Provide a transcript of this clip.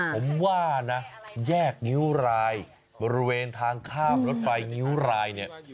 ผมว่านะแยกนิ้วรายบริเวณทางข้ามรถไฟงิ้วรายเนี่ย